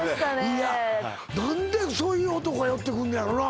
いや何でそういう男が寄ってくんねやろな？